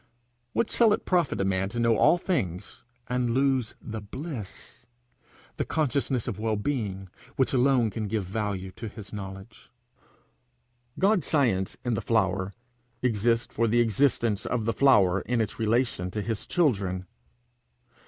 What shall it profit a man to know all things, and lose the bliss, the consciousness of well being, which alone can give value to his knowledge? God's science in the flower exists for the existence of the flower in its relation to his children.